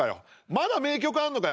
まだ名曲あんのかよ。